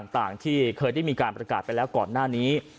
ต่างที่เคยได้มีการประกาศไปแล้วก่อนหน้านี้